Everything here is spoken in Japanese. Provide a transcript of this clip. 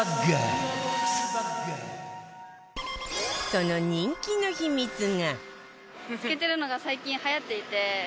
その人気の秘密が